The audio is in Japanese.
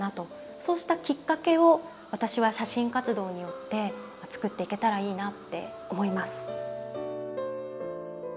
そうしたきっかけを私は写真活動によって作っていけたらいいなって思います。